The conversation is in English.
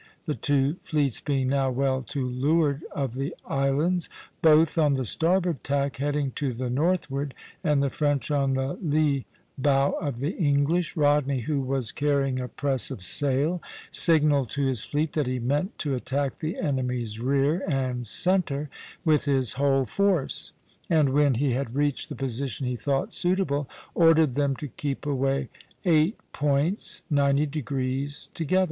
The two fleets being now well to leeward of the islands (Plate XI.), both on the starboard tack heading to the northward and the French on the lee bow of the English, Rodney, who was carrying a press of sail, signalled to his fleet that he meant to attack the enemy's rear and centre with his whole force; and when he had reached the position he thought suitable, ordered them to keep away eight points (90°) together (A, A, A).